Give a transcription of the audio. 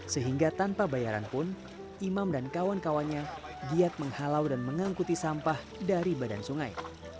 sehingga tanpa bayaran pun imam dan kawan kawannya giat menghalau dan mengangkuti sampah dari badan sungai